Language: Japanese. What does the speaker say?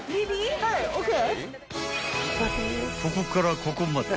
［「ここからここまで」］